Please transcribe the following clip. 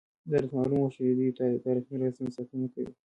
دا راته معلومه شوه چې دوی د تاریخي میراثونو ساتنه کوي.